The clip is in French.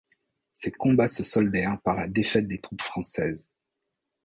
Ces combats se soldèrent par la défaite des troupes françaises.